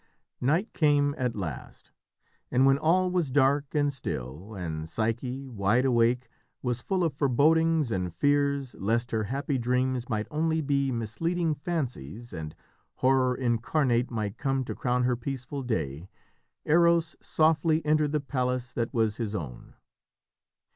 Night came at last, and when all was dark and still, and Psyche, wide awake, was full of forebodings and fears lest her happy dreams might only be misleading fancies, and Horror incarnate might come to crown her peaceful day, Eros softly entered the palace that was his own.